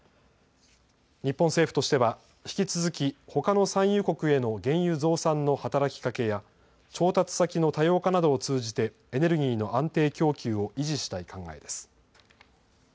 日本政府としては引き続きほかの産油国への原油増産の働きかけや調達先の多様化などを通じてエネルギーの安定供給を維持したい考えです。